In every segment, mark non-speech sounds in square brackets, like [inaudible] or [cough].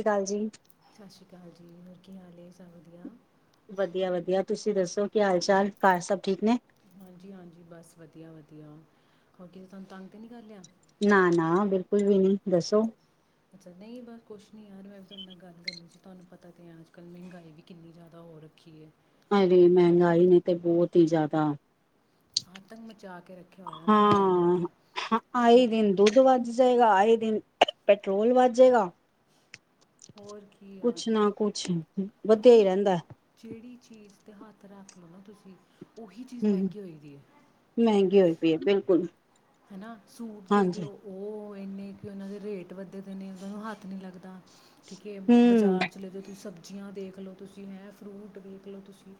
ਸ਼੍ਰੀ ਅਕਾਲ ਜੀ ਸ੍ਰੀ ਅਕਾਲ ਜੀ ਕੀ ਹਾਲ ਏ ਸਭ ਵਧੀਆ। ਵਧੀਆ ਵਧੀਆ ਤੁਸੀਂ ਦੱਸੋ ਕੀ ਹਾਲ ਚਾਲ ਘਰ ਸਭ ਠੀਕ ਨੇ। ਹਾਂਜੀ-ਹਾਂਜੀ, ਬਸ ਵਧੀਆ-ਵਧੀਆ ਹੋਰ ਕੀ ਤੁਹਾਨੂੰ ਤੰਗ ਤੇ ਨੀ ਕਰ ਲਿਆ। ਨਾ-ਨਾ, ਬਿਲਕੁਲ ਵੀ ਨੀ ਦੱਸੋ। ਅੱਛਾ ਨਹੀਂ ਬਸ ਕੁਛ ਨਹੀਂ ਯਾਰ ਮੈਂ ਵੀ ਤੁਹਾਡੇ ਨਾਲ ਗੱਲ ਕਰਨੀ ਸੀ ਤੁਹਾਨੂੰ ਪਤਾ ਤਾਂ ਹੈ, ਅੱਜ ਕੱਲ੍ਹ ਮਹਿੰਗਾਈ ਵੀ ਕਿੰਨੀ ਜ਼ਿਆਦਾ ਹੋ ਰੱਖੀ ਹੈ। ਹੇ ਮਹਿੰਗਾਈ ਨੇ ਤੇ ਬਹੁਤ ਹੀ ਜ਼ਿਆਦਾ ਆਤਕ ਮਚਾ ਕੇ, ਰੱਖਿਆ ਹੋਇਆ ਮਹਿੰਗਾਈ ਨੇ ਤੇ ਹਾਂ ਈ ਜਿਹੜੀ ਦਿਨ ਦੂਧ ਵੱਜ ਜੇਗਾ। ਦਿਨ ਪੈਟਰੋਲ ਵੱਧ ਜੇਗਾ। ਹੋਰ ਕੀ ਯਾਰ ਕੁਛ ਨਾ ਕੁਛ ਹਾਂ ਵਧੀਆ ਹੀ ਮਤਲਬ ਰਹਿੰਦਾ। ਜਿਹੜੀ ਚੀਜ਼ 'ਤੇ ਹੱਥ ਰੱਖ ਲਉ ਨਾ ਤੁਸੀਂ, ਉਹੀ ਚੀਜ਼ ਹੂੰ, ਮਹਿੰਗੀ ਹੋਈ ਦੀ ਹੈ ਮਹਿੰਗੀ ਹੋਈ ਪਏ ਹੈ ਬਿਲਕੁਲ। ਹਨਾ ਸੂਟ ਹਾਂਜੀ ਦੇਖਲਓ ਉਹ ਕਹਨੇ ਕਿ ਉਹਨਾਂ ਦੇ ਰੇਟ ਵੱਧੇ ਦੇ ਨੇ ਉਹ ਨੂੰ ਹੱਥ ਨਹੀਂ ਲੱਗਦਾ। ਠੀਕ ਹੈ ਹਮ ਬਜ਼ਾਰ ਚਲੇ ਜਾਉ ਤੁਸੀਂ ਸਬਜ਼ੀ ਸਬਜ਼ੀਆਂ ਦੇਖ ਲਓ, ਤੁਸੀਂ ਹੈਂ ਫਰੂਟ ਦੇਖ ਲਓ ਤੁਸੀਂ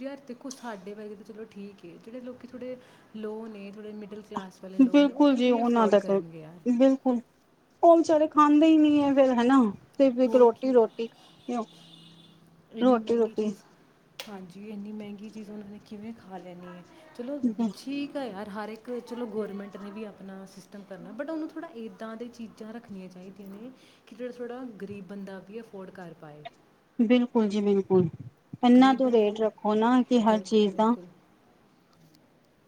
ਯਾਰ ਦੇਖੋ ਸਾਡੇ ਬਾਰੇ ਤਾਂ ਚਲੋ ਠੀਕ ਹੈ, ਜਿਹੜੇ ਲੋਕ ਥੋੜੇ ਲੋਅ ਨੇ ਥੋੜੇ ਮਿਡਲ ਕਲਾਸ ਵਾਲੇ ਲੋਕ ਨੇ ਉਹ ਬਿਲਕੁਲ ਜੀ ਕਿਵੇਂ ਉਹਨਾਂ ਅਫੋਰਡ ਦਾ ਕਰਨਗੇ ਯਾਰ ਬਿਲਕੁਲ ਉਹ ਵਿਚਾਰੇ ਖਾਂਦੇ ਹੀ ਨੀ ਹੈ ਫੇਰ ਹਨਾ। ਸਿਰਫ ਇੱਕ ਹੋਰ ਰੋਟੀ ਕੀ ਰੋਟੀ ਇੰਨੀ ਰੋਟੀ ਮਹਿੰਗੀ ਰੋਟੀ ਚੀਜ਼ ਹਾਂਜੀ, ਇੰਨੀ ਮਹਿੰਗੀ ਚੀਜ਼ ਉਹਨਾਂ ਨੇ ਕਿਵੇਂ ਖਾ ਲੈਂਨੀ ਐ। ਚਲੋ ਠੀਕ ਆ ਯ ਹਰ ਇੱਕ ਚਲੋ ਗੌਰਮੈਂਟ ਨੇ ਵੀ ਆਪਣਾ ਸਿਸਟਮ ਕਰਨਾ ਬਟ ਉਹਨੂੰ ਥੋੜ੍ਹਾ ਇੱਦਾਂ ਦੀਆਂ ਚੀਜ਼ਾਂ ਰੱਖਣੀਆਂ ਚਾਹੀਦੀਆਂ ਨੇ ਕਿ ਜਿਹੜਾ ਥੋੜ੍ਹਾ ਗਰੀਬ ਬੰਦਾ ਵੀ ਅਫੋਰਡ ਕਰ ਪਾਏ। ਬਿਲਕੁਲ ਜੀ ਬਿਲਕੁਲ, ਇੰਨਾ ਗਰੀਬ ਤ ਬੰਦੇ ਰੇਟ ਲਈ ਰੱਖੋ, ਨਾ ਕਿ ਹਰ ਬਿਲਕੁਲ ਚੀਜ਼ ਦਾ ਬਿਲਕੁਲ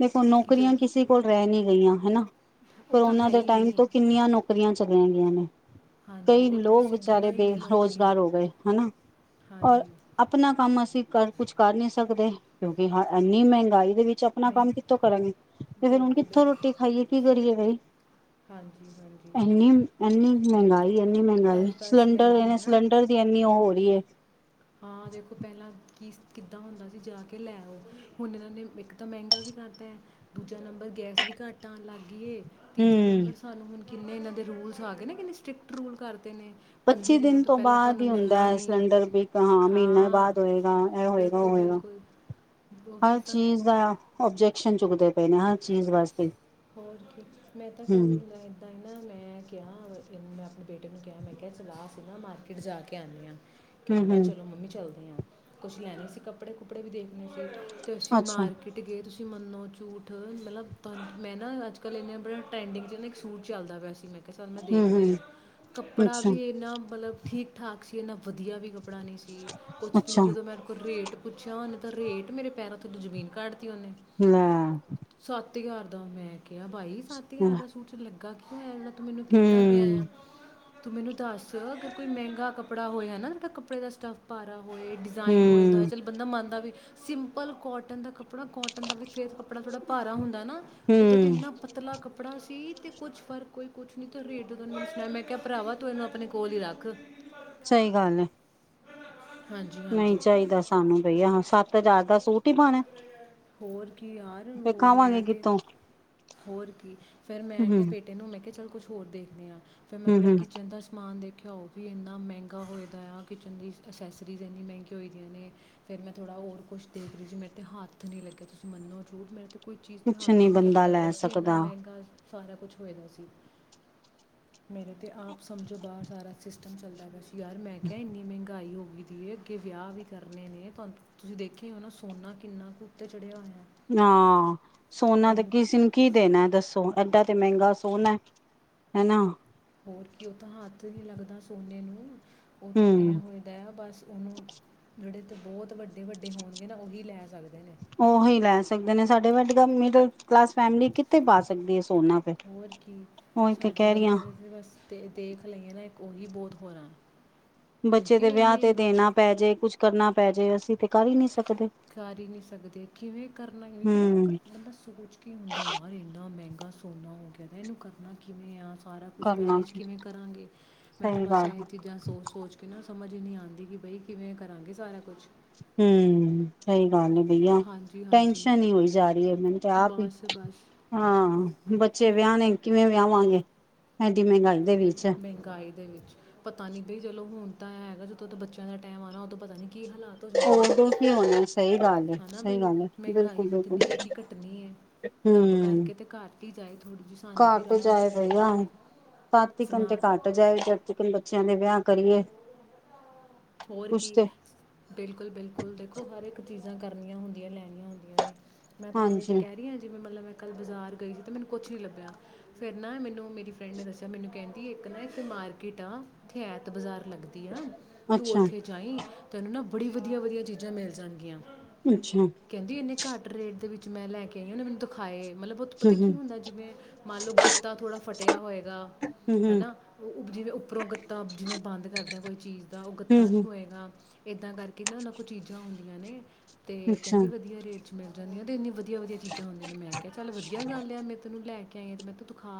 ਦੇਖੋ ਕਿ ਨੌਕਰੀਆਂ ਜਿਹੜਾ ਕਿਸੇ ਕੋਲ ਰਹਿ ਨੀ ਗਈਆਂ। ਹਨਾ, ਉਹ ਤਾਂ ਕਰੋਨਾ ਹੈ ਦੇ ਹੀ ਟਾਈਮ ਨਹੀਂ ਤੋਂ ਕਿੰਨੀਆਂ ਨੌਕਰੀਆਂ ਚੱਲੀਆਂ। ਹੁਣ, ਹਾਂਜੀ ਕਈ ਉਹ ਤਾਂ ਲੋਕ ਤੁਸੀਂ ਵਿਚਾਰੇ ਗਿਣੋ ਹੀ ਨਹੀਂ ਨੌਕਰੀਆਂ ਬੇਰੁਜ਼ਗਾਰ ਹੋ ਗਏ ਹਨਾ, ਔਰ ਹਾਂਜੀ ਆਪਣਾ ਕੰਮ ਅਸੀਂ ਘਰ ਕੁਛ ਕਰ ਨੀ ਸਕਦੇ ਕਿਉਂਕਿ ਹਾਂ ਇੰਨੀ ਮਹਿੰਗਾਈ ਦੇ ਵਿੱਚ ਆਪਣਾ ਮੈਂ ਕੰਮ ਕਿੱਥੋਂ ਕਰਨ ਤੇ ਫਿਰ ਹੁਣ ਬਿਲਕੁਲ ਕਿੱਥੋਂ ਬਿਲਕੁਲ ਰੋਟੀ ਖਾਈਏ ਕੀ ਕਰੀਏ ਬਾਈ, ਹਾਂਜੀ ਹਾਂਜੀ ਇਨੀ-ਇਨੀ ਮੈਂ- ਮਹਿੰਗਾਈ ਇੰਨੀ ਬਸ ਮਹਿੰਗਾਈ ਬਸ ਮੈਂ ਸਿਲੰਡਰ ਵੀ ਧ ਨਾ ਸਿਲੰਡਰ ਦੀ ਇੰਨੀ ਉਹ ਹੋ ਰਹੀ ਏ। ਹਾਂ ਦੇਖੋ ਪਹਿਲਾਂ ਕੀ ਕਿੱਦਾਂ ਹੁੰਦਾ ਸੀ ਜਾ ਕੇ ਲੈਓ, ਹੁਣ ਇਨ੍ਹਾਂ ਨੇ ਇੱਕ ਤਾਂ ਮਹਿੰਗਾ ਵੀ ਕਰਤੇ ਦੂਜਾ ਨੰਬਰ ਗੈਸ ਵੀ ਘੱਟ ਆਣ ਲੱਗ ਗੀ ਏ। ਤੀਜਾ ਹਮ ਨੰਬਰ ਸਾਨੂੰ ਹੁਣ ਕਿੰਨੇ ਇਹਨਾਂ ਦੇ ਰੂਲਸ ਆ ਗਏ ਨਾ ਕਿੰਨੇ ਸਟ੍ਰਿਕਟ ਰੂਲ ਕਰ ਪੱਚੀ ਦਿਨ ਤੋਂ ਬਾਅਦ ਹੀ ਹੁੰਦਾ ਮਿਲਣਾ ਹੈ ਨਹੀਂ ਸਿਲੰਡਰ ਬੀ ਹਾਂ ਮਹੀਨੇ ਬਾਅਦ ਹੋਏਗਾ ਇਹ ਹੋਏਗਾ ਉਹ ਬਿਲਕੁਲ ਹੋਏਗਾ, ਬਿਲਕੁਲ ਉਹ ਵੀ ਹਰ ਤਾਂ ਚੀਜ਼ ਦਾ ਓਬਜੈਕ ਜੈਕਸ਼ਨ ਚੁੱਕਦੇ ਪਏ ਨੇ ਹਰ ਚੀਜ਼ ਵਾਸਤੇ। ਹੋਰ ਕੀ, ਮੈਂ ਤਾਂ ਕੱਲ ਹੂੰ ਮੈ ਏਦਾਂ ਹੀ ਨਾ ਮੈਂ ਕਿਹਾ [unintelligible] ਬੇਟੇ ਨੂੰ ਕਿਹਾ ਮੈਂ ਕਿਹਾ ਚਲਾ ਅਸੀਂ ਨਾ ਮਾਰਕੀਟ ਜਾ ਕੇ ਆਨੇ ਆ। ਹੂੰ ਕਹਿੰਦਾ, ਹੂੰ ਚਲੋ ਮੰਮੀ ਚੱਲਦਾ। ਆ, ਕੁਛ ਲੈਣੇ ਸੀਂ ਕੱਪੜੇ-ਕੁੱਪੜੇ ਵੀ ਦੇਖਣੇ ਸੀ। ਤੁਸੀ ਅੱਛਾ ਮਾਰਕਿਟ ਗਏ ਤੁਸੀਂ ਮੰਨੋ ਝੂਠ ਮਤਲਬ [unintelligible] ਮੈਂ ਨਾ ਅੱਜ-ਕੱਲ੍ਹ ਇੰਨੇ ਬੜੇ ਟਰੈਂਡਿੰਗ 'ਚ ਨਾ ਇੱਕ ਸੂਟ ਚੱਲਦਾ ਪਿਆ ਸੀ ਮੈਂ ਮੈਂ ਕਿਹਾ ਚੱਲ ਮੈਂ ਹੂੰ ਦੇਖਦੀ ਹੂੰ ਆ, ਕੱਪੜਾ ਅੱਛਾ ਵੀ ਇੰਨਾ ਮਤਲਬ ਠੀਕ-ਠਾਕ ਤੁਸੀਂ ਇੰਨਾ ਵਧੀਆ ਵੀ ਕੱਪੜਾ ਨਹੀਂ ਸੀ, ਕੁਛ ਵੀ ਅੱਛਾ ਨਹੀਂ ਉਦੋਂ ਮੇਰੇ ਕੋਲ ਰੇਟ ਪੁੱਛਿਆ ਉਹਨੇ ਤਾਂ ਰੇਟ ਮੇਰੇ ਪੈਰਾਂ ਥੱਲੋ ਜ਼ਮੀਨ ਕੱਢ ਲੈ ਛੱਤੀ ਹਜ਼ਾਰ ਦਮ ਮੈਂ ਕਿਹਾ ਬਾਈ ਸੱਤ ਹਜ਼ਾਰ ਹੂੰ ਦਾ ਸੂਟ 'ਚ [unintelligible] ਤੂੰ ਮੈਨੂੰ ਕਹਿੰਦਾ ਪਿਆ ਹੂੰ ਆ। ਤੂੰ ਮੈਨੂੰ ਦੱਸ ਅਗਰ ਕੋਈ ਮਹਿੰਗਾ ਕੱਪੜਾ ਹੋਇਆ ਨਾ ਜਾ ਕੱਪੜੇ ਦਾ ਸਟੱਫ ਭਾਰਾ ਹੋਏ ਡਿਜ਼ਾਇਨ ਹੋਏ ਦਾ ਹੂੰ ਚੱਲ ਬੰਦਾ ਮੰਨਦਾ ਵੀ ਸਿੰਪਲ ਕੌਟਨ ਦਾ ਕੱਪੜਾ ਕੌਟਨ ਦਾ ਵੀ ਫੇਰ ਕੱਪੜਾ ਕਪਪੜਾ ਥੋੜਾ ਭਾਰਾ ਹੁੰਦਾ ਨਾ। ਇਧੋਂ ਤੇ ਇੰਨਾ ਪਤਲਾ ਕੱਪੜਾ ਤੀ ਤੇ ਕੁਛ ਫਰਕ ਕੋਈ ਕੁਛ ਨਹੀਂ ਤਾਂ ਰੇਟ ਜਦੋਂ ਮੈ ਸੁਣਾਇਆ ਮੈਂ ਕਿਹਾ ਭਰਾਵਾ ਤੂੰ ਇਹਨੂੰ ਆਪਣੇ ਕੋਲ ਹੀ ਰੱਖ। ਸਹੀ ਗੱਲ ਐ। ਹਾਂਜੀ ਨਹੀਂ ਹਾਂਜੀ ਚਾਹੀਦਾ ਸਾਨੂੰ ਬਈਆ ਸੱਤ ਹਜ਼ਾਰ ਦਾ ਸੂਟ ਹੀ ਪਾਣਾ। ਹੋਰ ਕੀ ਯਾਰ ਫੇਰ ਹੋਰ ਖਾਵਾਂਗੇ ਮੈਂ ਤੇ, ਕਿੱਥੋਂ ਹੋਰ ਕੀ ਫਿਰ ਹੂੰ ਮੈਂ ਕਿਹਾ ਬੇਟੇ ਨੂੰ ਮੈਂ ਕਿਹਾ ਚਲ ਕੁਛ ਹੋਰ ਦੇਖਦੇ ਆ। ਫੇਿਰ ਮੈਂ ਹੂੰ ਥੋੜ੍ਹਾ ਜਾ ਹੂੰ ਕਿਚਨ ਦਾ ਸਮਾਨ ਦੇਖ ਖਿਆ ਉਹ ਵੀ ਇੰਨਾ ਮਹਿੰਗਾ ਹੋਏ ਦਾ ਆ, ਕਿਚਨ ਦੀ ਅਸੈਸਰੀਜ਼ ਇੰਨੀ ਮਹਿੰਗੀ ਹੋਈ ਦੀਆਂ ਨੇ, ਫਿਰ ਮੈਂ ਥੋੜ੍ਹਾ ਹੋਰ ਕੁਛ ਦੇਖ ਲਈ ਜੀ ਮੇਰੇ ਤਾਂ ਹੱਥ ਹੱਥ ਨੀ ਲੱਗਿਆ ਤੁਸੀਂ ਮੰਨੋ ਝੂਠ ਮੇਰੇ ਤੇ ਕੋਈ ਚੀਜ਼ ਤੇ ਕੁਛ ਨੀ ਹੱਥ ਹੀ ਨਹੀਂ ਬੰਦਾ ਲੱਗਦਾ ਲੈ ਪਿਆ ਸੀ ਇੰਨਾ ਸਕਦਾ ਮਹਿੰਗਾ ਸਾਰਾ ਕੁਛ ਹੋਏ ਦਾ ਸੀ। ਮੇਰੇ ਤਾਂ ਆਪ ਸਮਝੋ ਬਾਹਰ ਸਾਰਾ ਸਿਸਟਮ ਚੱਲਦਾ ਪਿਆ ਸੀ। ਯਾਰ ਮੈਂ ਕਿਹਾ ਇੰਨੀ ਮਹਿੰਗਾਈ ਹੋ ਹੋਈ ਦੀ ਏ, ਅੱਗੇ ਵਿਆਹ ਵੀ ਕਰਨੇ ਨੇ ਤੁ ਤੁਸੀਂ ਦੇਖਿਆ ਹੋ ਨਾ ਸੋਨਾ ਕਿੰਨਾ ਕੁ ਉਤੇ ਚੜਿਆ ਹੋਇਆ। ਹਾਂ। ਸੋਨਾ ਤੇ ਉਹਨੂੰ ਕਿਸੇ ਨੂੰ ਕੀ ਦੇਣਾ ਦੱਸੋ। ਐਡਾ ਤੇ ਮਹਿੰਗਾ ਸੋਹਨਾ ਐ ਹਨਾ। ਹੋਰ ਕੀ, ਉਹ ਤਾਂ ਹੱਥ ਹੀ ਨੀ ਲੱਗਦਾ ਸੋਨੇ ਨੂੰ। ਉਹ ਤੇ ਐਂ ਹੂੰ ਹੋਏ ਦਾ ਆ ਬਸ ਉਹਨੂੰ ਜਿਹੜੇ ਬਹੁਤ ਵੱਡੇ ਵੱਡੇ ਹੋਣਗੇ ਨਾ ਉਹੀ ਲੈ ਸਕਦੇ ਨੇ। ਉਹੀ ਲੈ ਸਕਦੇ ਨੇ, ਸਾਡੇ [unintelligible] ਮਿਡਲ ਕਲਾਸ ਫੈਮਲੀ ਕਿੱਥੇ ਪਾ ਸਕਦੀ ਏ? ਹੋਰ ਕੀ, ਸਾਡੇ ਰਹੀ ਹਾਂ ਵਰਗਿਆਂ ਨੇ ਤੇ ਬਸ ਦੇਖ ਲਈਏ ਨਾ ਉਹੀ ਬਹੁਤ ਹੋਨਾ। ਬੱਚੇ ਦੇ ਵਿਆਹ ਤੇ ਦੇਨਾ ਪੈ ਜੇ, ਕੁੱਛ ਕਰਨਾ ਪੈ ਜੇ ਅਸੀਂ ਤੇ ਕਰ ਹੀ ਨਹੀਂ ਸਕਦੇ ਕਰ ਹੀ ਨਹੀਂ ਸਕਦੇ ਕਿਵੇਂ ਕਰਨਾ, ਇੱਕ ਨਾ ਇੱਕ ਹੂੰ ਬੰਦਾ ਸੋਚ ਕੇ ਹੁੰਦਾ ਯਾਰ ਇੰਨਾ ਮਹਿੰਗਾ ਸੋਹਨਾ ਹੋ ਗਿਆ ਤੇ ਇਹਨੂੰ ਕਰਨਾ ਕਿਵੇਂ ਆ? ਸਾਰਾ ਕੁਛ ਕਰਨਾ ਮੈਨੇਜ ਕੀ ਕਿਵੇਂ ਕਰਾਂਗੇ? ਮੈਂ ਤਾਂ ਸਹੀ ਬਸ ਗੱਲ ਇਹ ਹੈ। ਚੀਜ਼ਾਂ ਸੋਚ ਸੋਚ ਕੇ ਨਾ ਸਮਝ ਨਹੀਂ ਆਂਦੀ ਕਿ ਬਈ ਕਿਵੇਂ ਕਰਾਂਗੇ ਸਾਰਾ ਕੁਛ। ਹੂੰ, ਸਹੀ ਹਾਂਜੀ [unintelligible] ਹਾਂਜੀ ਟੈਸ਼ਨ ਹੀ ਹੋਈ ਜਾ ਰਹੀ ਹੈ ਮੈਨੂੰ ਤੇ ਆਪ ਹੀ, ਬਸ ਬਸ ਹਾਂ ਬੱਚੇ ਵਿਆਹਨੇ ਕਿਵੇਂ ਵਿਆਵਾਂਗੇ, ਐਡੀ ਮਹਿੰਗਾਈ ਦੇ ਵਿੱਚ ਮਹਿੰਗਾਈ ਦੇ ਵਿੱਚ ਪਤਾ ਨਹੀਂ ਬਈ ਚਲੋ ਹੁਨ ਤਾਂ ਹੈਗਾ ਜਦੋਂ ਤਾਂ ਬੱਚਿਆਂ ਦਾ ਟਾਈਮ ਆਨਾ ਉਦੋਂ ਪਤਾ ਨੀ ਓਦੋ ਕੀ ਹੋਣਾ ਸਹੀ ਗੱਲ ਏ। ਗੱਲ ਹਨਾ ਸਹੀ ਬਈ ਗੱਲ ਹੈ ਮਹਿੰਗਾਈ ਬਿਲਕੁਲ ਬਿਲਕੁਲ ਵਧਣੀ ਹੈ ਕਿ ਘਟਣੀ ਹੈ ਰੱਬ ਹੂੰ ਕਰਕੇ ਤੇ ਘੱਟ ਹੀ ਜਾਏ ਥੋੜੀ ਜਿਹੀ ਸਾਨੂੰ ਵੀ ਘੱਟ ਰਾਹਤ ਜਾਏ ਮਿਲੇ ਭਈਆ [unintelligible] ਤੇ ਸਮਾਨ ਘੱਟ ਜਾਏ ਜਦ ਤੀਕਨ ਬੱਚਿਆਂ ਦੇ ਵਿਆਹ ਕਰੀਏ। ਹੋਰ ਕੁਛ ਕੀ? ਤੇ ਬਿਲਕੁਲ ਬਿਲਕੁਲ ਦੇਖੋ ਹਰ ਇੱਕ ਚੀਜ਼ਾਂ ਕਰਨੀਆਂ ਹੁੰਦੀਆਂ ਲੈਣੀਆਂ ਹੁੰਦੀਆਂ ਨੇ। ਮੈਂ ਤੁਹਾਨੂੰ ਇਹ ਚ ਹਾਂਜੀ ਕਹਿ ਰਹੀ ਹਾਂ ਜਿਵੇਂ ਮਤਲਬ ਮੈਂ ਕੱਲ੍ਹ ਬਾਜ਼ਾਰ ਗਈ ਸੀ ਤੇ ਮੈਨੂੰ ਕੁਛ ਨੀ ਲੱਭਿਆ ਫੇਰ ਨਾ ਮੈਨੂੰ ਮੇਰੀ ਫਰੈਂਡ ਨੇ ਦੱਸਿਆ ਮੈਨੂੰ ਕਹਿੰਦੀ ਇੱਕ ਨਾ ਇੱਥੇ ਮਾਰਕੀਟ ਆ ਇੱਥੇ ਐਤ ਬਾਜ਼ਾਰ ਲੱਗਦੀ ਆ। ਤੂੰ ਅੱਛਾ ਉੱਥੇ ਜਾਈ ਤੈਨੂੰ ਨਾ ਬੜੀ ਵਧੀਆ ਵਧੀਆ ਚੀਜ਼ਾਂ ਮਿਲ ਜਾਣਗੀਆਂ। ਅੱਛਾ ਹੂੰ ਕਹਿੰਦੀ ਇੰਨੇ ਘੱਟ ਰੇਟ ਦੇ ਵਿੱਚ ਮੈਂ ਲੈ ਕੇ ਆਈ ਆ ਉਹਨੇ ਮੈਨੂੰ ਦਿਖਾਏ। ਮਤਲਬ ਬਹੁਤ ਹੂੰ ਪਤਾ ਕੀ ਹੁੰਦਾ ਜਿਵੇਂ ਮੰਨ ਲਉ ਗੱਤਾ ਥੋੜ੍ਹਾ ਫਟਿਆ ਹੋਏਗਾ ਹੂੰ ਹੈ ਹੂੰ ਨਾ ਉ ਜਿਵੇਂ ਉੱਪਰੋਂ ਗੱਤਾਂ ਜਿਵੇਂ ਬੰਦ ਕਰਦੇ ਆ ਕੋਈ ਚੀਜ਼ ਗੱਤਾ ਹੂੰ ਨਹੀਂ ਹੂੰ ਹੋਏਗਾ। ਏਦਾਂ ਕਰਕੇ ਨਾ ਉਹਨਾਂ ਕੋਲ ਚੀਜ਼ਾਂ ਹੁੰਦੀਆਂ ਨੇ। ਤੇ ਅੱਛਾ ਕਹਿੰਦੀ ਵਧੀਆ ਰੇਟ। ਮਿਲ ਜਾਂਦੀ ਤੇ ਇੰਨੀ ਵਧੀਆ ਵਧੀ ਚੀਜ਼ਾਂ ਹੁੰਦੀ ਨੇ ਮੈਂ ਕਿਹਾ ਚੱਲ ਵਧੀਆ ਗੱਲ ਮੈਂਨੂੰ ਲੈ ਕੇ [unintelligible] ਮੈਂ ਕਿਹਾ ਤੂੰ ਦਿਖਾ।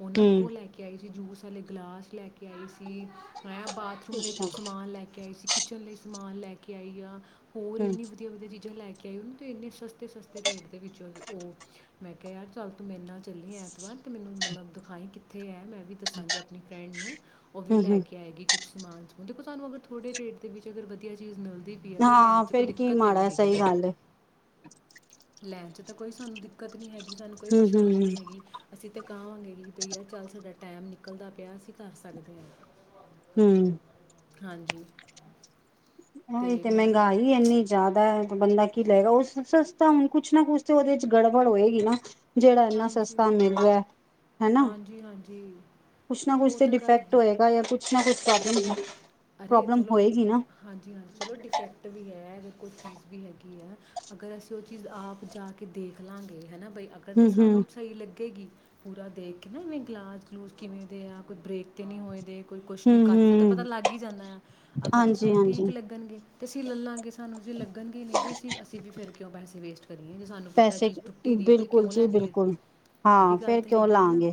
ਉਹਨਾਂ ਹੂੰ ਕੋਲ ਲੈ ਕੇ ਆਈ। ਜੂਸ ਵਾਲੇ ਗਲਾਸ ਲੈ ਕੇ ਆਈ ਸੀ। ਮੈਂ ਬਾਥੂਮ ਲਈ ਅੱਛਾ ਕੁੱ ਸਮਾਨ ਲੈ ਕੇ ਆਏ ਸੀ। ਕਿਚਨ ਲਈ ਸਮਾਨ ਲੈ ਕੇ ਆਈ ਆ। ਹੋਰ ਹੂੰ ਇੰਨੀ ਵਧੀਆ ਵਧੀਆ ਚੀਜ਼ ਲੈ ਕੇ ਕਈਆਂ ਨੂੰ ਤਾਂ ਇੰਨੇ ਸਸਤੇ ਸਸਤੇ ਰੇਟ ਦੇ ਵਿੱਚ ਉਹ ਮੈਂ ਕਿਹਾ ਯਾਰ ਚੱਲ ਤੂੰ ਮੇਰੇ ਨਾਲ ਚੱਲੀ ਐਤਵਾਰ ਤੇ ਮੈਨੂੰ ਮਤਲਬ ਦਿਖਾਈ ਕਿੱਥੇ ਹੈ ਮੈਂ ਵੀ ਦੱਸਾਂਗੇ ਆਪਣੀ ਫਰੈਂਡ ਨੂੰ ਉਹ ਵੀ ਹੂੰ ਲੈ ਹੂੰ ਕੇ ਆਏਗੀ। ਕੁੱਛ ਸਮਾਨ ਉਹ ਦੇਖੋ ਸਾਨੂੰ ਅਗਰ ਥੋੜ੍ਹੇ ਰੇਟ ਦੇ ਵਿੱਚ ਅਗਰ ਵਧੀਆ ਚੀਜ਼ ਮਿਲ ਪਈ ਐ ਤੇ ਲੈਣ ਹਾਂ ਚ ਕੋਈ ਫੇਰ ਕੀ ਦਿੱਕਤ ਤੇ ਨਹੀਂ ਮਾੜਾ ਹੈਗੀ ਸਹੀ ਨਾ ਗੱਲ ਏ ਲੈਣ ਚ ਤਾਂ ਕੋਈ ਸਾਨੂੰ ਦਿੱਕਤ ਨੀ ਹੈਗੀ। ਕਿ ਸਾਨੂੰ ਕੋਈ ਹੂੰ ਹੂੰ ਪਰੇਸ਼ਾਨੀ ਨਹੀਂ ਹੈਗੀ ਅਸੀਂ ਅਤੇ ਕਹਵਾਂਗੇ ਕਿ ਭਈਆ ਚੱਲ ਸਾਡਾ ਟਾਈਮ ਨਿਕਲਦਾ ਪਿਆ ਅਸੀਂ ਕਰ ਸਕਦੇ ਹਾਂ। ਹੂੰ ਹਾਂਜੀ। ਉਹੀ ਅਤੇ ਤੇ ਮੈਂ ਮਹਿੰਗਾਈ ਇੰਨੀ ਜ਼ਿਆਦਾ ਐ। ਬੰਦਾ ਕੀ ਲਏਗਾ ਉਹ ਸਸਤਾ ਹੁਣ ਕੁਛ ਨਾ ਕੁਛ ਤੇ ਉਹਦੇ ਚ ਗੜਬੜ ਹੋਏਗੀ ਨਾ ਜਿਹੜਾ ਇੰਨਾ ਹਾਂਜੀ ਸਸਤਾ ਮਿਲ ਰਿਆ ਹਨਾ, ਹਾਂਜੀ ਹਾਂਜੀ ਕੁਛ ਨਾ ਕੁਛ ਉਹ ਤਾਂ ਗੱਲ ਡਿਫੈਕਟ ਹੈ ਹੋਏਗਾ ਯਾ ਕੁਛ ਮੈ ਕੁਛ ਕਰ [unintelligible] ਅਰੇ ਚਲੋ, ਹਾਂਜੀ-ਹਾਂਜੀ। ਚਲੋ ਡਿਫੈਕਟ ਵੀ ਹੈ ਅਗਰ ਕੋਈ ਚੀਜ਼ ਵੀ ਹੈਗੀ ਐ, ਅਗਰ ਅਸੀਂ ਉਹ ਚੀਜ਼ ਆਪ ਜਾ ਕੇ ਦੇਖ ਲਾਗੇ ਹੈ ਨਾ ਬਈ ਅਗਰ ਤਾਂ ਹੂੰ ਹੂੰ ਸਾਨੂੰ ਸਹੀ ਲੱਗੇਗੀ ਪੂਰਾ ਦੇਖ ਕੇ ਏਵੇਂ ਗਲਾਸ ਗਲੂਸ ਕਿਵੇਂ ਦੇ ਆ ਕੋਈ ਬ੍ਰੇਕ ਤੇ ਨਹੀਂ ਹੋਏ ਦੇਖ ਕੋਈ ਕੁਛ ਨੀ ਹੂੰ ਕੱੱਚਦਾ ਤੇ ਹੂੰ ਪਤਾ ਲੱਗ ਹੀ ਜਾਂਦਾ ਆ ਅਗਰ ਤਾਂ ਹਾਂਜੀ ਸਾਨੂੰ ਹਾਂਜੀ ਠੀਕ ਲੱਗਣਗੇ ਅਸੀਂ ਲਲਾਂਗੇ ਸਾਨੂੰ ਜੇ ਲੱਗਣਗੇ ਨਹੀਂ ਵੀੇ ਅਸੀਂ ਵੀ ਫਿਰ ਕਿਉਂ ਪੈਸੇ ਵੇਸਟ ਕਰੀਏ ਜੇ ਸਾਨੂੰ ਪਤਾ ਪੈਸੇ ਚੀਜ਼ ਟੁੱਟੀ ਪਈ ਹੈ ਤੇ ਬਿਲਕੁਲ ਕਿਉਂ ਜੀ ਲੈਣੀ ਹੈ ਬਿਲਕੁਲ ਇਹ ਵੀ ਹਾਂ ਗਲ ਫੇਰ ਤੇ ਕਿਉਂ ਹੈਗੀ ਹੈ ਨਾ ਲਾਂਗੇ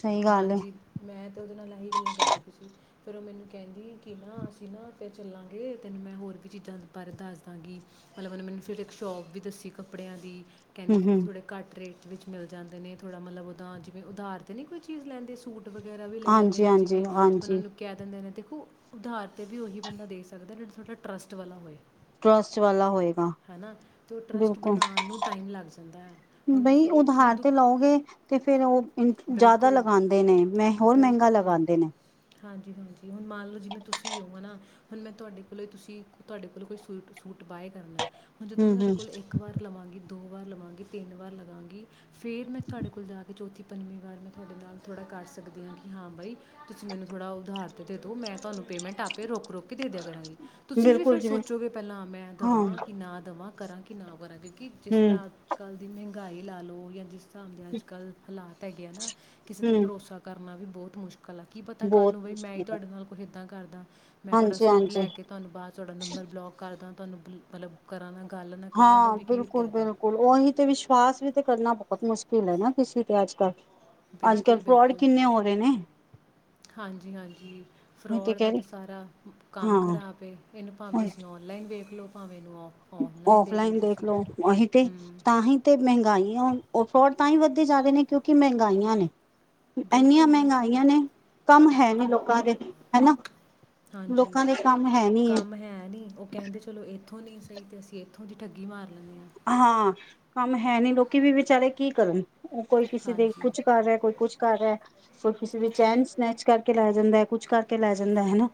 ਸਹੀ ਗੱਲ ਹੈ ਹਾਂਜੀ ਮੈਂ ਤੇ ਉਹਦੇ ਨਾਲ ਇਹੀ ਗੱਲਾਂ ਕਰਦੇ ਤੁਸੀਂ ਫਿਰ ਉਹ ਮੈਨੂੰ ਕਹਿੰਦੀ ਕਿ ਨਾ ਅਸੀਂ ਨਾ ਫਿਰ ਚੱਲਾਂਗੇ ਤੈਨੂੰ ਮੈਂ ਹੋਰ ਵੀ ਚੀਜ਼ਾਂ ਬਾਰੇ ਦੱਸ ਦਾਂਗੀ ਮਤਲਬ ਉਹਨੇ ਮੈਨੂੰ ਫਿਰ ਇੱਕ ਸ਼ੋਪ ਵੀ ਦੱਸੀ ਕੱਪੜਿਆਂ ਦੀ ਕਹਿੰਦੇ ਹਮ ਹਮ ਥੋੜੇ ਘੱਟ ਰੇਟ ਵਿੱਚ ਮਿਲ ਜਾਂਦੇ ਨੇ ਥੋੜ੍ਹਾ ਮਤਲਬ ਉਹਦਾ ਜਿਵੇਂ ਉਧਾਰ ਤੇ ਨਹੀਂ ਕੋਈ ਚੀਜ਼ ਲੈਂਦੇ ਸੂਟ ਵਗੈਰਾ ਵੀ ਲੈ ਲੈਂਦੇ ਹਾਂਜੀ ਨੇ ਹਾਂਜੀ ਜਿਵੇਂ ਉਹਨਾਂ ਹਾਂਜੀ ਨੂੰ ਕਹਿ ਦਿੰਦੇ ਨੇ ਦੇਖੋ ਉਦਾਰ'ਤੇ ਵੀ ਉਹੀ ਬੰਦਾ ਦੇ ਸਕਦਾ ਜਿਹੜਾ ਤੁਹਾਡਾ ਟਰੱਸਟ ਵਾਲਾ ਹੋਏ ਟਰਸਟ ਵਾਲਾ ਹੋਏਗਾ ਹੈ ਨਾ ਅਤੇ ਉਹ ਟਰਸਟ ਬਿਲਕੁਲ ਬਣਾਉਣ ਨੂੰ ਟਾਈਮ ਲੱਗ ਜਾਂਦਾ ਹੈ ਹੁਣ ਬਈ ਤੁਸੀਂ ਇੱਕ ਹੀ ਉਧਾਰ ਦੁ ਤੇ ਲਓਗੇ ਤੇ ਫੇਿਰ ਉਹ ਜ਼ਿਆਦਾ ਬਿਲਕੁਲ ਲਗਾਉਂਦੇ ਨੇ ਮ ਹੋਰ ਮਹਿੰਗਾ ਬਿਲਕੁਲ ਲਗਾਉਂਦੇ ਨੇ ਹਾਂਜੀ ਹਾਂਜੀ ਹੁਣ ਮਾਨ ਲਓ ਜਿਵੇ ਤੁਸੀ ਹੋ ਨਾ ਹੁਣ ਮੈਂ ਤੁਹਾਡੇ ਕੋਲੋਂ ਹੀ ਤੁਸੀਂ ਤੁਹਾਡੇ ਕੋਲੋਂ ਕੋਈ ਸੂਟ ਸੂਟ ਬਾਾਏ ਕਰਨਾ ਹੁਣ ਜਦੋਂ ਮੈਂ ਹਮ ਤੁਹਾਡੇ ਹਮ ਕੋਲ ਇੱਕ ਵਾਰ ਲਵਾਂਗੀ ਦੋ ਵਾਰ ਲਵਾਂਗੀ ਤਿੰਨ ਵਾਰ ਲਵਾਂਗੀ ਫੇਿਰ ਮੈਂ ਤੁਹਾਡੇ ਕੋਲ ਜਾ ਕੇ ਚੌਥੀ ਪੰਜਵੀਂ ਵਾਰ ਮੈਂ ਤੁਹਾਡੇ ਨਾਲ ਥੋੜ੍ਹਾ ਕਰ ਸਕਦੀ ਹਾਂ ਕਿ ਹਾਂ ਬਾਈ ਤੁਸੀਂ ਮੈਨੂੰ ਥੋੜ੍ਹਾ ਉਧਾਰ 'ਤੇ ਦੇ ਦਉ ਮੈਂ ਤੁਹਾਨੂੰ ਪੇਮੈਂਟ ਆਪ ਰੁਕ ਰੁਕ ਕੇ ਦੇ ਦਿਆ ਕਰਾਂਗੀ ਤੁਸੀਂ ਵੀ ਬਿਲਕੁਲ ਫਿਰ ਜੀ ਬਿਲਕੁਲ ਸੋਚੋਗੇ ਪਹਿਲਾਂ ਮੈਂ ਹਾਂ ਦਵਾਂ ਕਿ ਨਾ ਦਵਾਂ ਕਰਾਂ ਕਿ ਨਾ ਕਰਾਂਗੇ ਕਿ ਹਮ ਜਿਸਦਾ ਅੱਜ ਕੱਲ੍ਹ ਦੀ ਮਹਿੰਗਾਈ ਲਾ ਲਓ ਜਾਂ ਜਿਸ ਧਾਮ ਦੇ ਅੱਜ ਕੱਲ੍ਹ ਹਾਲਾਤ ਤਗ ਨਾ ਕਿਸੇ ਤੇ ਹਮ ਭਰੋਸਾ ਕਰਨਾ ਵੀ ਬਹੁਤ ਮੁਸ਼ਕਿਲ ਆ ਕੀ ਪਤਾ ਕੱਲ੍ਹ ਬਹੁਤ ਨੂੰ ਬਈ ਮੈਂ ਹੀ ਮੁਸ਼ਕਿਲ ਹੈ ਤੁਹਾਡੇ ਨਾਲ ਹੀ ਇਦਾਂ ਕਰਦਾ ਮੈਂ ਤੁਹਾਡਾ ਹਾਂਜੀ ਸੂਟ ਹਾਂਜੀ ਲੈ ਕੇ ਤੁਹਾਨੂੰ ਬਾਅਦ ਚ ਤੁਹਾਡਾ ਨੰਬਰ ਬਲੋਕ ਕਰਦਾ ਤੁਹਾਨੂੰ ਮਤਲਬੁ ਕਰਾਨਾ ਹਾਂ ਬਿਲਕੁਲ ਬਿਲਕੁਲ ਉਹੀ ਤੇ ਵਿਸ਼ਵਾਸ ਵੀ ਤੇ ਕਰਨਾ ਪ ਬਹੁਤ ਮੁਸ਼ਕਿਲ ਹੈ ਨਾ ਕਿਸੀ ਤੇ ਆੱਜ ਕੱਲ ਅੱਜ ਬਿਲਕੁਲ ਕੱਲ ਫਰੋਡ ਬਿਲਕੁਲ ਕਿੰਨੇ ਹੋ ਰਹੇ ਨੇ ਹਾਂਜੀ ਹਾਂਜੀ ਮੈਂ ਫਰੋਡ ਕਹਿ ਦਾ ਤੇ ਰਹੀ ਸਾਰਾ ਕੰਮ ਹਾਂ ਖ਼ਰਾਬ ਐ ਇਹਨੂੰ ਭਾਵੇਂ ਤੁਸੀਂ ਓਨਲਾਈਨ ਵੇਖ ਲਓ ਭਾਵੇਂ ਨੂੰ ਔਫਲਾਈਨ ਦੇਖਲੋ ਉਹੀ ਤੇ ਹੂੰ ਤਾਂ ਹੀ ਤੇ ਮਹਿੰਗਾਈ ਆ। ਉਹ ਅਫੋਡ ਤਾਂ ਹੀ ਵੱਧਦੇ ਜਾਰੇ ਨੇ ਕਿਉਂਕਿ ਮਹਿੰਗਾਈਆਂ ਨੇ। ਇੰਨੀਆਂ ਬਿਲਕੁਲ ਬਿਲਕੁਲ ਮਹਿੰਗਾਈਆਂ ਨੇ ਕੰਮ ਹੈ ਨੀ। ਲੋਕਾਂ ਦੇ ਹੈ ਨਾ ਹਾਂਜੀ ਲੋਕਾਂ ਦੇ ਕੰਮ ਕੰਮ ਹੈ ਨੀ ਉਹ ਕਹਿੰਦੇ ਚਲੋ। ਇੱਥੋਂ ਨਹੀਂ ਸਹੀ ਤੇ ਅਸੀਂ ਇੱਥੋਂ ਦੀ ਠੱਗੀ ਮਾਰ ਲੈਂਦੇ ਹਾਂ। ਹਾਂ ਕੰਮ ਹੈ ਨੀ ਲੋਕੀ ਵੀ ਵਿਚਾਰੇ ਕੀ ਕਰਨ। ਉਹ ਕੋਈ ਕਿਸੇ ਦੇ ਹਾਂਜੀ ਕੁਛ ਕਰ ਰਿਹਾ ਕੋਈ ਕੁਛ ਕਰ ਰਿਹਾ ਕੋਈ ਕਿਸੇ ਦੀ ਚੈਨ ਸਨੈਚ ਕਰਕੇ ਲੈ ਜਾਂਦਾ ਹੈ ਕੁੱਛ ਕਰਕੇ ਲੈ ਜਾਂਦਾ ਹੈ ਨਾ।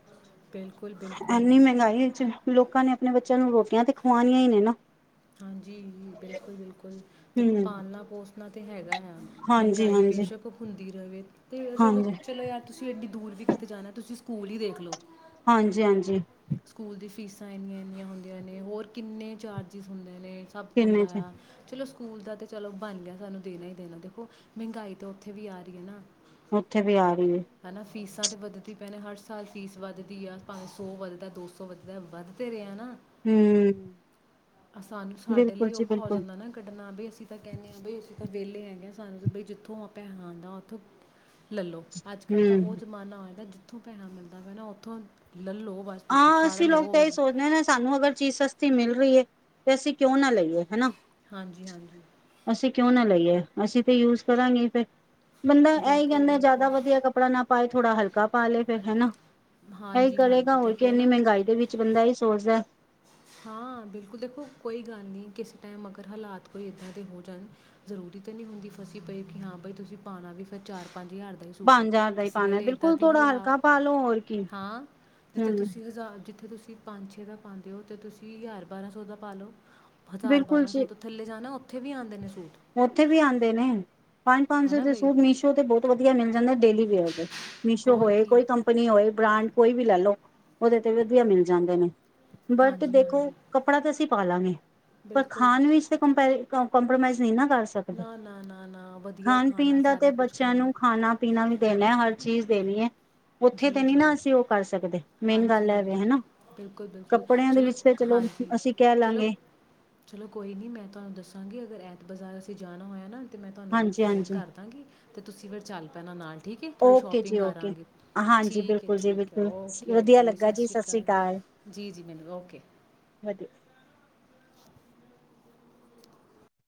ਬਿਲਕੁਲ ਬਿਲਕੁਲ ਇੰਨੀ ਮਹਿੰਗਾਈ ਵਿਚ ਲੋਕਾਂ ਨੇ ਆਪਣੇ ਬੱਚਿਆਂ ਨੂੰ ਰੋਟੀਆਂ ਤੇ ਖਵਾਣੀਆਂ ਨੇ ਨਾ। ਹਾਂਜੀ ਬਿਲਕੁਲ ਬਿਲਕੁਲ ਦੇਖੋ ਹਮ ਪਾਲਨਾ ਪੋਸਨਾ ਨਾ ਤੇ ਹੈਗਾ ਹੈ। ਹਾਂਜੀ ਮਹਿੰਗਾਈ ਹਾਂਜੀ ਬੇਸ਼ਕ ਹੁੰਦੀ ਰਵੇ ਤੇ ਚਲੋ ਹਾਂਜੀ ਚਲੋ ਯਾਰ ਤੁਸੀਂ ਏਡੀ ਦੂਰ ਵੀ ਕੀਤੇ ਜਾਣਾ ਤੁਸੀਂ ਸਕੂਲ ਹੀ ਦੇਖਲੋ ਹਾਂਜੀ ਹਾਂਜੀ ਸਕੂਲ ਦੀ ਫੀਸਾਂ ਇੰਨੀਆਂ ਇੰਨੀਆਂ ਹੁੰਦੀਆਂ ਨੇ ਹੋਰ ਕਿੰਨੇ ਚਾਰਜਿਸ ਹੁੰਦੇ ਨੇ। ਸਭ ਹੁੰਦਾ ਕਿੰਨੇ ਚ ਆ ਚਲੋ ਸਕੂਲ ਦਾ ਤੇ ਚਲੋ ਬਣ ਗਿਆ ਸਾਨੂੰ ਦੇਣਾ ਹੀ ਦੇਣਾ ਦੇਖੋ ਮਹਿੰਗਾਈ ਤਾਂ ਉੱਥੇ ਵੀ ਆ ਰੀ ਹੈ ਨਾ। ਉੱਥੇ ਵੀ ਆ ਹੂੰ ਹੈ ਨਾ ਫੀਸਾਂ ਤੇ ਵੱਧਦੀ ਪੈ ਨੇ ਹਰ ਸਾਲ ਫੀਸ ਵੱਧਦੀ ਆ ਪੰਜ ਸੌ ਵੱਧਦਾ ਦੋ ਸੌ ਵੱਧਦਾ ਵੱਧ ਤੇ ਰਹੇ ਹੈ ਨਾ। ਹਮ ਸਾਨੂੰ ਸਾਡੇ ਬਿਲਕੁਲ ਲਈ ਜੀ ਔਖਾ ਹੋ ਬਿਲਕੁਲ ਜਾਂਦਾ ਨਾ ਕੱਢਣਾ ਵੀ ਅਸੀਂ ਤਾਂ ਕਹਿੰਦੇ ਹਾਂ ਬਈ ਅਸੀਂ ਤਾਂ ਵਿਹਲੇ ਹੈਗੇਾਂ ਸਾਨੂੰ ਬਈ ਜਿੱਥੋਂ ਆਪਾਂ ਹੈਾਂਉਂ ਹਾਂ ਉੱਥੋਂ ਲੈ ਲਉ। ਅੱਜ ਕੱਲ੍ਹ ਤਾਂ ਹਮ ਉਹ ਜ਼ਮਾਨਾ ਹੋਏਗਾ। ਉੱਥੋਂ ਭੈਣਾ ਮਿਲਦਾ ਪਿਆ ਨਾ ਉੱਥੋਂ ਲੈ ਲਓ ਬਸ ਤੁਸੀਂ ਹਾਂ ਫੜ ਅਸੀਂ ਲੋਕ ਤਾਂ ਲਓ ਇਹੀ ਸੋਚਦੇ ਹਾਂ, ਸਾਨੂੰ ਅਗਰ ਚੀਜ਼ ਸਸਤੀ ਮਿਲ ਰਹੀਏ ਤੇ ਅਸੀਂ ਕਿਉਂ ਨਾ ਲਈਏ ਹਨਾ। ਹਾਂਜੀ ਹਾਂਜੀ ਅਸੀਂ ਕਿਉਂ ਨਾ ਲਈਏ। ਅਸੀਂ ਤੇ ਯੂਜ ਕਰਾਂਗੇ ਫ਼ੇਰ। ਬੰਦਾ ਇਹੀ ਬਿਲਕੁਲ ਕਹਿੰਦਾ ਜ਼ਿਆਦਾ ਬਿਲਕੁਲ ਵਧੀਆ ਕੱਪੜਾ ਨਾ ਪਾਏ ਥੋੜ੍ਹਾ ਹਲਕਾ ਪਾ ਲਏ ਫਿਰ ਹਨਾ। ਇਹੀ ਹਾਂਜੀ ਕਰੇਗਾ ਹਾਂਜੀ ਤੇ ਹੋਰ ਇੰਨੀ ਮਹਿੰਗਾਈ ਦੇ ਵਿੱਚ ਬੰਦਾ ਏਹੀ ਸੋਚਦਾ। ਆਹ। [unintelligible] ਹਾਂ ਬਿਲਕੁਲ, ਦੇਖੋ ਕੋਈ ਗੱਲ ਨਹੀਂ ਕਿਸ ਟਾਈਮ ਅਗਰ ਹਾਲਾਤ ਕੋਈ ਇੱਦਾਂ ਦੇ ਹੋ ਜਾਣ ਜ਼ਰੂਰੀ ਤਾਂ ਨਹੀਂ ਹੁੰਦੀ ਫਸੀ ਪਏ ਕਿ ਹਾਂ ਬਾਈ ਤੁਸੀਂ ਪਾਉਣਾ ਵੀ ਫਿਰ ਚਾਰ ਪੰਜ ਹਜ਼ਾਰ ਦੇ ਹੀ ਸੂਟ ਪੰਜ ਹਜ਼ਾਰ ਦਾ ਹੀ ਕਿਸੇ ਪਾਉਣਾ ਵੇਲੇ ਏਦਾਂ ਬਿਲਕੁਲ ਦੀ ਥੋੜਾ ਹਲਾਤ ਹਲਕਾ ਪਾ ਲੋ ਹੋਰ ਕੀ ਹਾਂ, ਜਿੱਥੇ ਹਮ ਤੁਸੀਂ ਹਜ਼ਾਰ ਜਿੱਥੇ ਤੁਸੀਂ ਤੁਸੀ ਪੰਜ ਛੇ ਦਾ ਪਾਉਂਦੇ ਹੋ। ਤੇ ਤੁਸੀਂ ਹਜ਼ਾਰ ਬਾਰਾਂ ਸੌ ਦਾ ਪਾ ਲਓ। ਹਜ਼ਾਰ ਬਿਲਕੁਲ ਬਾਰਾਂ ਜੀ ਸੌ ਤੋਂ ਥੱਲੇ ਜਾਣਾ ਔ ਉੱਥੇ ਵੀ ਆਂਦੇ ਨੇ ਸੂ। ਉੱਥੇ ਵੀ ਆਉਂਦੇ ਨੇ। ਪੰਜ ਪੰਜ ਹੈ ਸੌ ਨਾ ਦੇ ਬਈ ਸੂਟ ਮੀਸ਼ੋ ਤੇ ਬਹੁਤ ਵਧੀਆ ਮਿਲ ਜਾਂਦੇ। ਡੇਲੀ ਵੇਅਰ ਦੇ। ਮੀਸ਼ੋ ਹੋਰ ਹੋਏ, ਕੀ ਕੋਈ ਕੰਪਨੀ ਹੋਏ, ਬ੍ਰਾਂਡ ਕੋਈ ਵੀ ਲੈ ਲੋ ਉਹਦੇ ਤੇ ਵਧੀਆ ਮਿਲ ਜਾਂਦੇ ਨੇ। ਬਟ ਹਾਂਜੀ ਦੇਖੋ, ਹਾਂਜੀ ਕੱਪੜਾ ਤਾਂ ਅਸੀਂ ਪਾ ਲਾਂਗੇ, ਪਰ ਬਿਲਕੁਲ ਖਾਣ ਵਿੱਚ ਤਾਂ ਕੰਪੈਰ ਕੋ ਕੰਪਰੋਮਾਇਜ਼ ਨੀਂ ਨਾ। ਕਰ ਸਕਦੇ, ਨਾ ਨਾ ਨਾ ਨਾ ਵਧੀਆ ਖਾਣ ਖਾਣਾ ਪੀਣ ਦਾ ਤੇ ਸਾਰਾ ਕੁਝ ਬੱਚਿਆਂ ਕਰਨਾ ਨੂੰ ਖਾਣਾ ਪੀਣਾ ਵੀ ਦੇਣਾ ਹਰ ਚੀਜ਼ ਦੇਣੀ ਹੈ। ਉੱਥੇ ਜੀ ਤੇ ਨੀ ਜੀ ਨਾ ਅਸੀਂ ਉਹ ਕਰ ਸਕਦੇ ਮੇਨ ਹਾਂਜੀ ਗੱਲ ਐਵੇ ਹਾਂਜੀ ਹਨਾ। ਬਿਲਕੁਲ ਬਿਲਕੁਲ, ਕੱਪੜਿਆਂ ਦੇ ਚਲੋ ਵਿੱਚ ਤੇ ਹਾਂਜੀ ਅਸੀਂ ਕਹਿ ਚਲੋ ਲਾਂਗੇ ਚਲੋ ਕੋਈ ਨਹੀਂ ਮੈਂ ਤੁਹਾਨੂੰ ਦੱਸਾਂਗੀ, ਅਗਰ ਐ ਬਾਜ਼ਾਰ ਅਸੀਂ ਜਾਣਾ ਹੋਇਆ ਨਾ ਅਤੇ ਮੈਂ ਤੁਹਾਨੂੰ ਵੀ ਫ਼ੋਨ ਹਾਂਜੀ-ਹਾਂਜੀ। ਕਰ ਦਾਂਗੀ ਅਤੇ ਤੁਸੀਂ ਫਿਰ ਚੱਲ ਪੈਣਾ ਨਾਲ ਠੀਕ ਹੈ, ਥੋੜ੍ਹੀ ਓਕੇ ਸ਼ੋਪਿੰਗ ਜੀ ਓਕੇ ਕਰਾਂਗੇ। ਹਾਂਜੀ ਠੀਕ ਹੈ ਬਿਲਕੁਲ ਜੀ ਠੀਕ ਹੈ ਬਿਲਕੁਲ ਓਕੇ ਵਧੀਆ ਓਕੇ ਲੱਗਾ ਸਤਿ ਜੀ ਸ਼੍ਰੀ ਸ੍ਰੀ ਅਕਾਲ ਜੀ, ਜੀ ਮੈਨੂੰ ਓਕੇ। ਵਧੀਆ